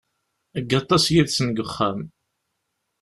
Deg waṭas yid-sen deg uxxam.